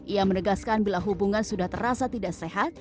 ia menegaskan bila hubungan sudah terasa tidak sehat